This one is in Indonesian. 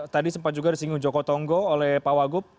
tadi sempat juga disinggung joko tonggo oleh pak wagub